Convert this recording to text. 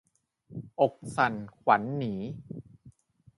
อกสั่นขวัญหนี